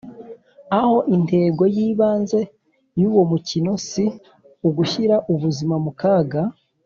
Aho intego y ibanze y uwo mukino si ugushyira ubuzima mu kaga